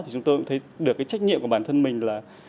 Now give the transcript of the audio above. chúng tôi cũng thấy được trách nhiệm của bản thân mình là